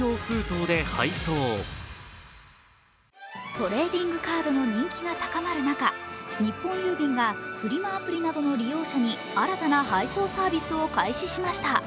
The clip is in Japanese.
トレーディングカードの人気が高まる中、日本郵便がフリマアプリなどの利用者に新たな配送サービスを開始しました。